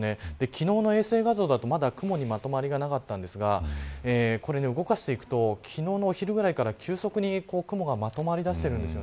昨日の衛星画像だと雲にまとまりがなかったんですが動かしていくと昨日のお昼ぐらいから急速に雲がまとまりだしています。